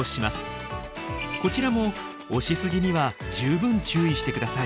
こちらも押し過ぎには十分注意してください。